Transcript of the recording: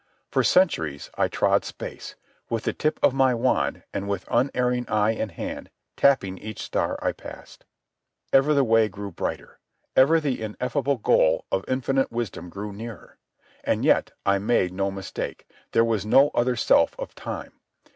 For centuries I trod space, with the tip of my wand and with unerring eye and hand tapping each star I passed. Ever the way grew brighter. Ever the ineffable goal of infinite wisdom grew nearer. And yet I made no mistake. This was no other self of mine.